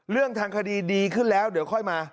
เรื่องทางคดีดีขึ้นแล้วเดี๋ยวค่อยมา